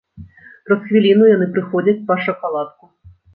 Праз хвіліну яны прыходзяць па шакаладку.